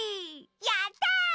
やった！